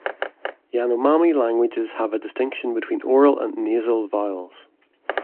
Yanomami languages have a distinction between oral and nasal vowels.